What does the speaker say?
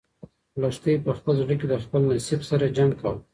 لښتې په خپل زړه کې د خپل نصیب سره جنګ کاوه.